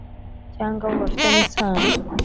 cyangwa abo bafitanye isano